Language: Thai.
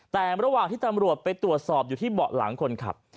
แต่ระหว่างที่ตำรวจไปตรวจสอบอยู่ที่เบาะหลังคนขับ